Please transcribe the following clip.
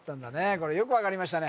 これよく分かりましたね